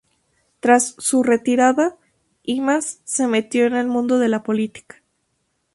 Tras su retirada, Imaz se metió en el mundo de la política.